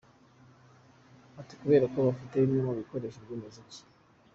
Ati “…Kubera ko bafite bimwe mu bikoresho by’umuziki